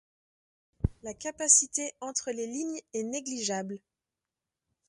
La capacité entre les lignes est négligeable.